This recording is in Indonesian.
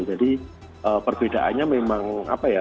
jadi perbedaannya memang apa ya